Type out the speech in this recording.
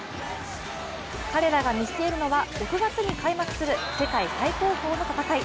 彼らが見据えるのは６月に開幕する世界最高峰の戦い